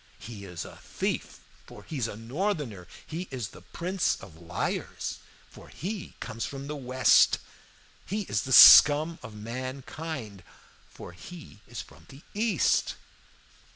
He is a thief, for he is a Northerner! He is the prince of liars, for he comes from the West! He is the scum of mankind, for he is from the East!